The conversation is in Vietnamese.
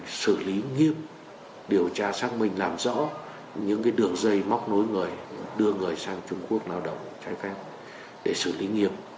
chúng tôi xử lý nghiêm điều tra xác minh làm rõ những đường dây móc nối người đưa người sang trung quốc lao động trái phép để xử lý nghiêm